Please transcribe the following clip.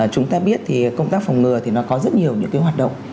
chúng ta biết thì công tác phòng ngừa thì nó có rất nhiều những cái hoạt động